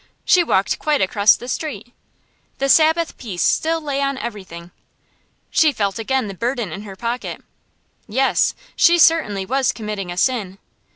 She walked quite across the street. The Sabbath peace still lay on everything. She felt again of the burden in her pocket. Yes, she certainly was committing a sin.